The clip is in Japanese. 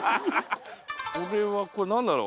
これはこれ何だろう？